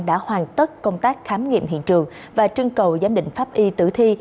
đã hoàn tất công tác khám nghiệm hiện trường và trưng cầu giám định pháp y tử thi